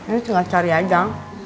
ini tinggal cari aja